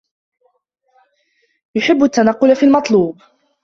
يُحِبُّ التَّنَقُّلَ فِي الْمَطْلُوبِ